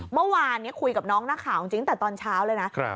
เมื่อวานนี้คุยกับน้องนักข่าวจริงตั้งแต่ตอนเช้าเลยนะ